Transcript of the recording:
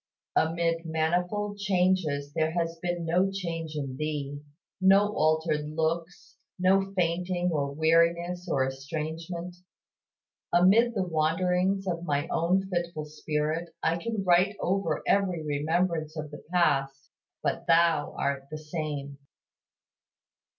Amid manifold changes there has been no change in Thee, no altered looks, no fainting or weariness or estrangement. Amid the wanderings of my own fitful spirit I can write over every remembrance of the past, But "Thou art the same!"